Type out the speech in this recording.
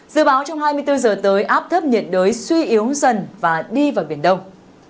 dự báo trong hai mươi bốn giờ tới áp thấp nhiệt đới suy yếu dần và đi vào biển đông